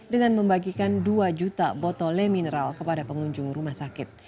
dengan membagikan dua juta botol le mineral kepada pengunjung rumah sakit